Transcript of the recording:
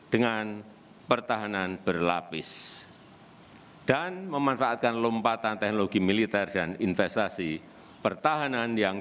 dengan pertahanan berlapis dan memanfaatkan lompatan teknologi militer dan investasi pertahanan yang